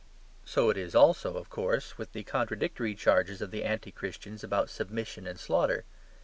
So it is also, of course, with the contradictory charges of the anti Christians about submission and slaughter.